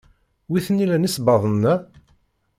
Wi t-nilan isebbaḍen-a?